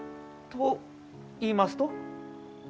と言いますと？